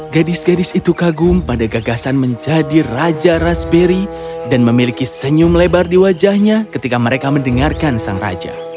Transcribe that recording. gadis gadis itu kagum pada gagasan menjadi raja raspberry dan memiliki senyum lebar di wajahnya ketika mereka mendengarkan sang raja